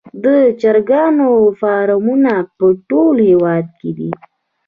د چرګانو فارمونه په ټول هیواد کې دي